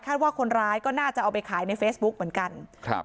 ว่าคนร้ายก็น่าจะเอาไปขายในเฟซบุ๊กเหมือนกันครับ